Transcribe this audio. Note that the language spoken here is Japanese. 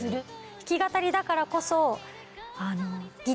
弾き語りだからこそ。